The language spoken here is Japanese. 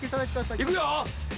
いくよ。